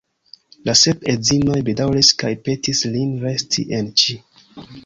La sep edzinoj bedaŭris kaj petis lin resti en Ĉi.